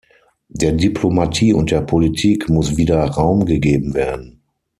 Der Diplomatie und der Politik muss wieder Raum gegeben werden.